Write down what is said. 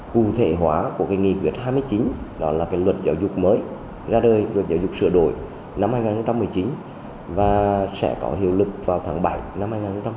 cụ thể hóa của nghị quyết hai mươi chín đó là cái luật giáo dục mới ra đời luật giáo dục sửa đổi năm hai nghìn một mươi chín và sẽ có hiệu lực vào tháng bảy năm hai nghìn hai mươi